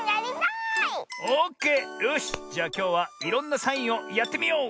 オッケーよしじゃあきょうはいろんなサインをやってみよう！